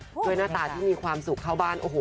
ด้วยหน้าตาที่มีความสุขเข้าบ้านโอ้โห